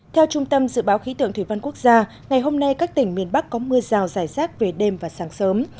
theo trung tâm dự báo khí tượng thủy văn quốc gia ngày hôm nay các tỉnh miền bắc có mưa rào rải rác về đêm và sáng sớm